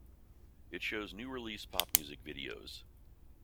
It shows new release pop music videos.